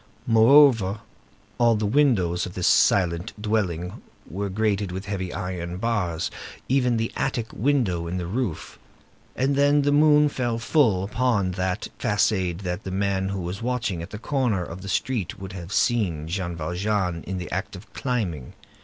Moreover, all the windows of this silent dwelling were grated with heavy iron bars, even the attic windows in the roof. And then, the moon fell full upon that façade, and the man who was watching at the corner of the street would have seen Jean Valjean in the act of climbing.